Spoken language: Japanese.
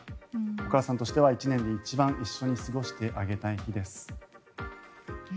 お母さんとしては１年で一番一緒に過ごしてあげたい日です。